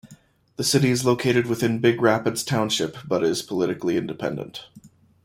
The city is located within Big Rapids Township, but is politically independent.